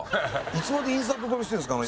いつまでインサート撮りしてるんですか？